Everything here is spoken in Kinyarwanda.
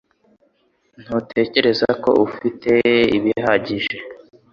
Ntutekereza ko ufite ibihagije